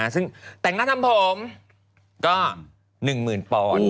ซึ่งแต่งหน้าทำผมก็๑หมื่นปอน